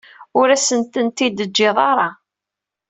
Ur asen-tent-id-teǧǧiḍ ara.